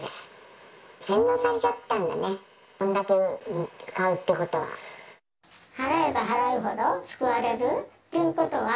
洗脳されちゃってたんだね、これだけ買うってことは。